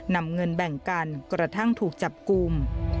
นำเงินแบ่งกันกระทั่งถูกจับกลุ่ม